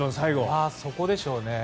そこでしょうね。